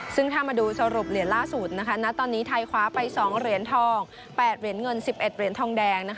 ซึ่งถ้ามาดูสรุปเหรียญล่าสุดณตอนนี้ไทยคว้าไป๒เหรียญทอง๘เหรียญเงิน๑๑เหรียญทองแดง